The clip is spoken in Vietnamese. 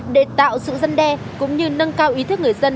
để tạo sự dân đe cũng như nâng cao ý thức người dân